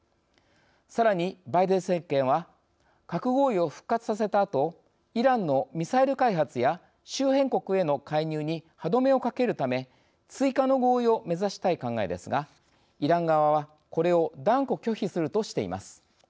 さらに、バイデン政権は核合意を復活させたあとイランのミサイル開発や周辺国への介入に歯止めをかけるため追加の合意を目指したい考えですがイラン側はこれを断固拒否するとしています。